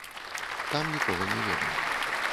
Там нікога не ведаў.